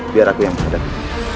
biar aku yang menghadapi